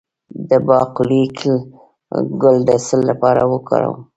د باقلي ګل د څه لپاره وکاروم؟